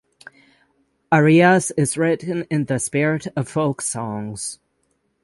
Arias is written in the spirit of folk songs.